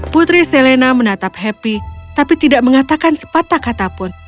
putri selena menatap happy tapi tidak mengatakan sepatah kata pun